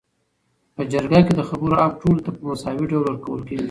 په جرګه کي د خبرو حق ټولو ته په مساوي ډول ورکول کيږي